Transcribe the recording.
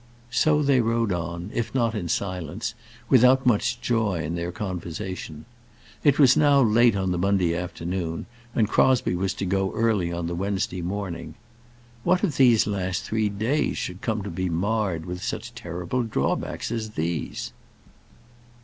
So they rode on, if not in silence, without much joy in their conversation. It was now late on the Monday afternoon, and Crosbie was to go early on the Wednesday morning. What if these three last days should come to be marred with such terrible drawbacks as these!